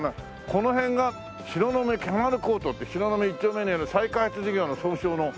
この辺が東雲キャナルコートって東雲１丁目にある再開発事業の総称の。